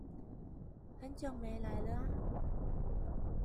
很久沒來了啊！